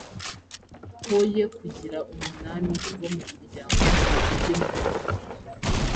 hoye kugira umunani uva mu muryango ngo ujye mu wundi.